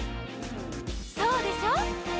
「そうでしょ？」